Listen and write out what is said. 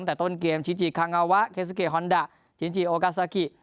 ตั้งแต่ต้นเกมชินจิคางาวาเคซิเกฮอนดาชินจิโอกาซาคิ